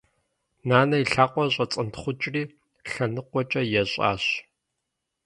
Нанэ и лъакъуэр щӏэцӏэнтхъукӏри лъэныкъуэкӏэ ещӏащ.